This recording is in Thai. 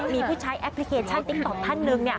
มีผู้ใช้แอปพลิเคชันติ๊กต๊อกท่านหนึ่ง